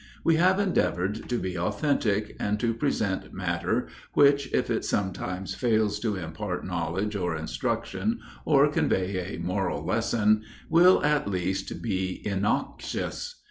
We have endeavored to be authentic, and to present matter, which, if it sometimes fail to impart knowledge or instruction, or convey a moral lesson, will, at least, be innoxious.